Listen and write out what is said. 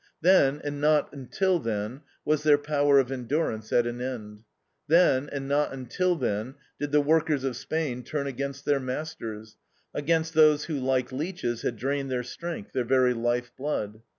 Then, and not until then, was their power of endurance at an end. Then, and not until then, did the workers of Spain turn against their masters, against those who, like leeches, had drained their strength, their very life blood.